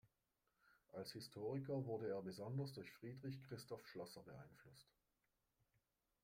Als Historiker wurde er besonders durch Friedrich Christoph Schlosser beeinflusst.